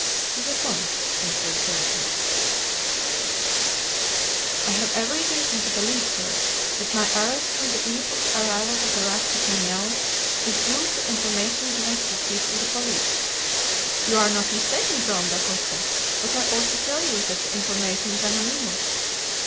"To the point," answered Jarriquez. "I have every reason to believe, sir, that my arrest on the eve of the arrival of the raft at Manaos is due to information given to the chief of the police!" "You are not mistaken, Joam Dacosta, but I ought to tell you that the information is anonymous."